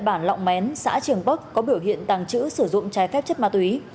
bản lọng mén xã trường bắc có biểu hiện tàng trữ sử dụng trái phép chất ma túy